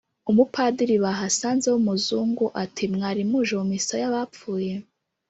Umupadiri bahasanze w' umuzungu ati: "Mwari muje mu Misa y' abapfuye?